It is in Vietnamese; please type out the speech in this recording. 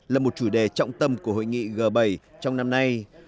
là một chủ đề trọng tâm của hội nghị g bảy trong năm nay